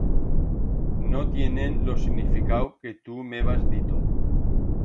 No tienen lo significau que tu m'hebas dito.